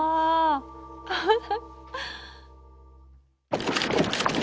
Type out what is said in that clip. フフフ！